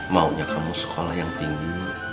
maunya kamu sekolah yang tinggi